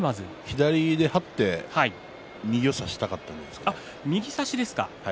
左で張って右で差したかったんじゃないですか。